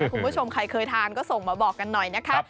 คุณผู้ชมใครเคยทานก็ส่งมาบอกกันหน่อยนะคะ